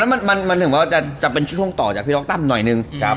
มันมันถึงว่าจะเป็นช่วงต่อจากพี่ล็อกตั้มหน่อยนึง